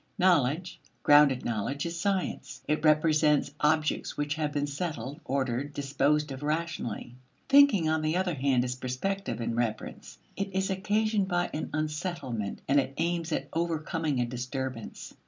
Knowledge, grounded knowledge, is science; it represents objects which have been settled, ordered, disposed of rationally. Thinking, on the other hand, is prospective in reference. It is occasioned by an unsettlement and it aims at overcoming a disturbance.